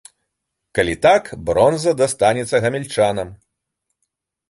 Калі так, бронза дастанецца гамяльчанам.